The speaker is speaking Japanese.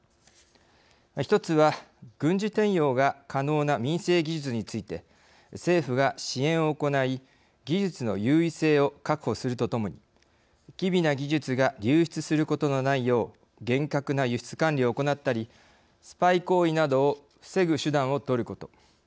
一つは軍事転用が可能な民生技術について政府が支援を行い技術の優位性を確保するとともに機微な技術が流出することのないよう厳格な輸出管理を行ったりスパイ行為などを防ぐ手段をとること。